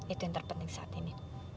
itu yang terpenting saat ini